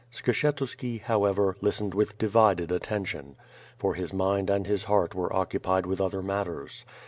Skshetuski, however, listened with di vided attention; for his mind and his heart were occupied with other matters.